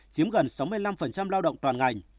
nhiễm gần sáu mươi năm lao động toàn ngành